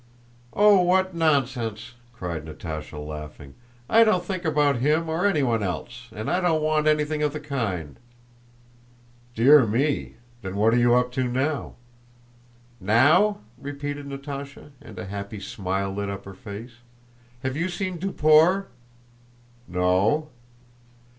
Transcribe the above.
"Oh, what nonsense!" cried Natásha, laughing. "I don't think about him or anyone else, and I don't want anything of the kind." "Dear me! Then what are you up to now?" "Now?" repeated Natásha, and a happy smile lit up her face. "Have you seen Duport?" "No."